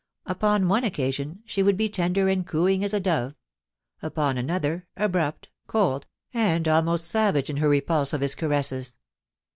Upon one occasion she would be tender and cooing as a dove ; upon another, abrupt, cold, and almost savage in her repulse of his caresses.